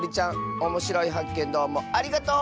おもしろいはっけんどうもありがとう！